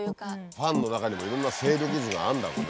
ファンの中にもいろんな勢力図があるんだろうね。